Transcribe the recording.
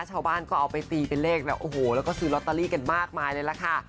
ชาวบ้านก็เอาไปตีเป็นเลขแล้วโอ้โหแล้วก็ซื้อลอตเตอรี่กันมากมายเลยล่ะค่ะ